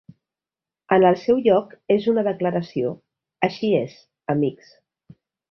En el seu lloc és una declaració; així és, amics.